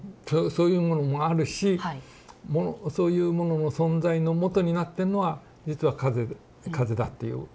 そういうものもあるしそういうものの存在のもとになってんのは実は風だっていう。